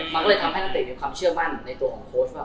มันก็เลยทำให้นักเตะมีความเชื่อมั่นในตัวของโค้ชว่า